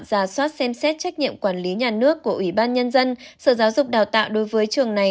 giả soát xem xét trách nhiệm quản lý nhà nước của ủy ban nhân dân sở giáo dục đào tạo đối với trường này